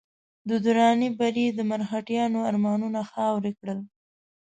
د دراني بري د مرهټیانو ارمانونه خاورې کړل.